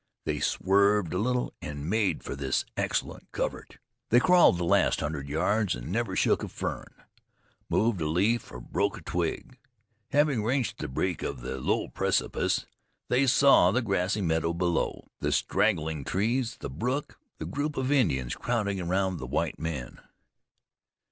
They swerved a little, and made for this excellent covert. They crawled the last hundred yards and never shook a fern, moved a leaf, or broke a twig. Having reached the brink of the low precipice, they saw the grassy meadow below, the straggling trees, the brook, the group of Indians crowding round the white men.